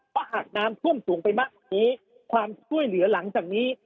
เพราะหากน้ำท่วมสูงไปมากกว่านี้ความช่วยเหลือหลังจากนี้